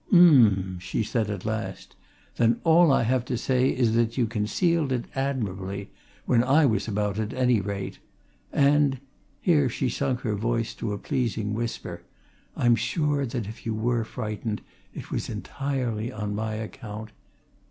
"Um!" she said at last. "Then, all I have to say is that you concealed it admirably when I was about, at any rate. And" here she sunk her voice to a pleasing whisper "I'm sure that if you were frightened, it was entirely on my account.